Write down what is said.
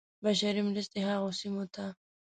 بشري مرستې هغو سیمو ته.